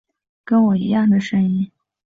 跟我一样的声音